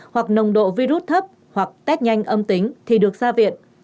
hoặc nồng độ virus thấp hoặc test nhanh âm tính thì được ra viện